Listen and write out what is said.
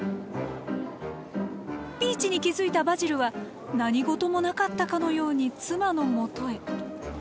ピーチに気付いたバジルは何事もなかったかのように妻のもとへ。